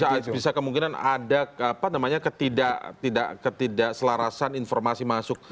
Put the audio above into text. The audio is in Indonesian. jadi bisa kemungkinan ada ketidakselarasan informasi masuk